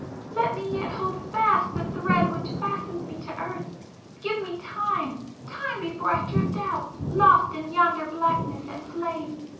Let me yet hold fast the thread which fastens me to earth,—give me time—time before I drift out, lost in yonder blackness and flame!